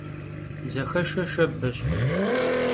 Zexeşşe şşebeş.